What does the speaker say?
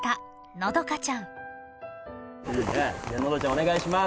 のどちゃんお願いします。